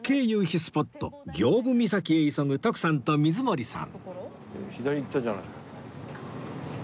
スポット刑部岬へ急ぐ徳さんと水森さん